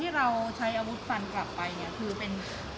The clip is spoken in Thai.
เราใช้อาวุธฟันกลับไปเนี่ยคือเป็น